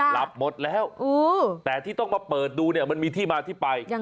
หลับหมดแล้วแต่ที่ต้องมาเปิดดูเนี่ยมันมีที่มาที่ไป